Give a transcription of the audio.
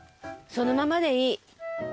そのままでいい。